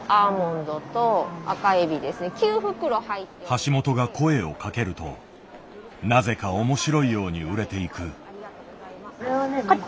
橋本が声をかけるとなぜか面白いように売れていく。